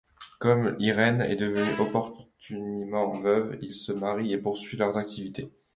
Comme Irène est devenue opportunément veuve, ils se marient et poursuivent leurs activités...